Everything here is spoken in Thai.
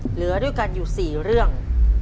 เหลือด้วยกันอยู่๔เรื่อง